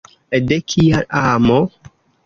De kia amo?